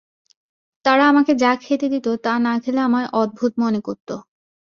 তারা আমাকে যা খেতে দিত, তা না খেলে আমায় অদ্ভুত মনে করত।